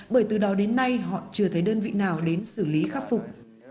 bởi từ đó đến nay họ chưa thấy đơn vị nào đến xử lý khắc phục